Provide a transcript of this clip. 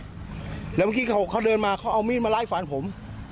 แล้วเมื่อกี้เขาเดินมาเขาเอามีดมาไล่ฟันผม